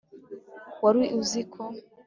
wari uziko